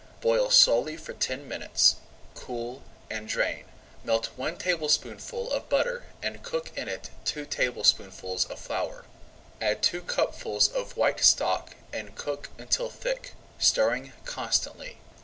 Boil slowly for ten minutes, cool, and drain. Melt one tablespoonful of butter and cook in it two [Page 117] tablespoonfuls of flour. Add two cupfuls of white stock and cook until thick, stirring constantly.